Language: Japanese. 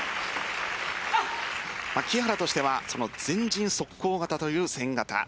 木原としては前陣速攻型という戦型。